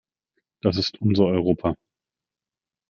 Das ist unser Europa.